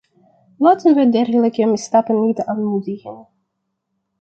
Laten we dergelijke misstappen niet aanmoedigen.